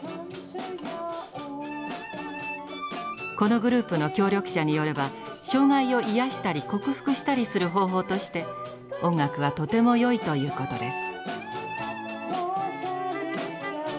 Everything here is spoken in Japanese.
このグループの協力者によれば障害を癒やしたり克服したりする方法として音楽はとてもよいということです。